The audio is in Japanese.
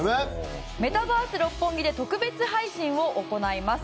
メタバース六本木で特別配信を行います。